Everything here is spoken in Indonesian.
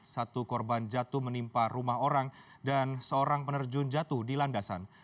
satu korban jatuh menimpa rumah orang dan seorang penerjun jatuh di landasan